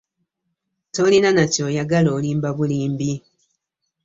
Tolina na ky'oyagala olimba bulimbi.